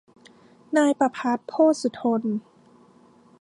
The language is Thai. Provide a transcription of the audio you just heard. นายประภัตร โพธสุธน